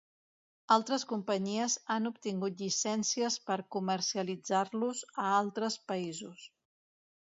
Altres companyies han obtingut llicències per comercialitzar-lo a altres països.